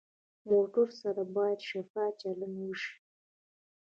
موټر سره باید شفاف چلند وشي.